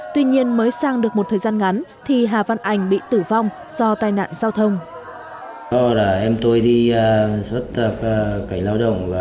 tuy nhiên mới sang được một thời gian ngắn thì hà văn ảnh bị tử vong do tai nạn giao thông